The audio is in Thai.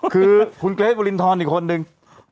คือคุณเกรทวรินทรอีกคนนึง